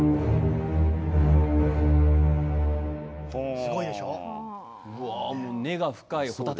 すごいでしょう。